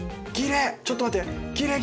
ちょっと待って。